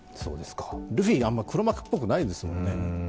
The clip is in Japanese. ルフィ、あんまり黒幕っぽくないですもんね。